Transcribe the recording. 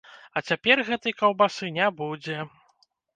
А цяпер гэтай каўбасы не будзе.